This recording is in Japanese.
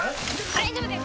大丈夫です